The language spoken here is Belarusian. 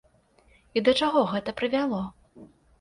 І да чаго гэта прывяло?